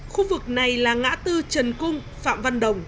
khu vực này là ngã tư trần cung phạm văn đồng